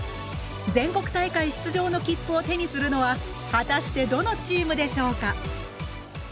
全国大会出場の切符を手にするのは果たしてどのチームでしょうか。